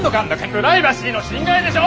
プライバシーの侵害でしょ！